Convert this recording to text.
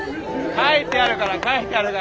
書いてあるから書いてあるから。